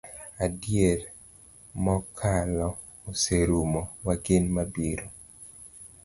Adier, mokalo oserumo, wagen mabiro.